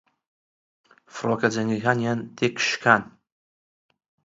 فڕۆکە جەنگیەکان تێکشکان